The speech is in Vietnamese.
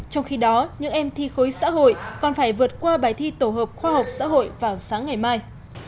trong khi đó những em thi khối xã hội còn phải vượt qua bài thi tổ hợp khoa học xã hội vào sáng ngày mai